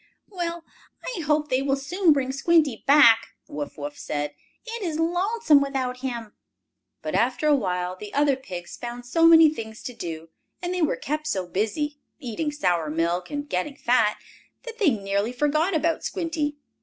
"Well, I hope they will soon bring Squinty back," Wuff Wuff said. "It is lonesome without him." But, after a while, the other pigs found so many things to do, and they were kept so busy, eating sour milk, and getting fat, that they nearly forgot about Squinty.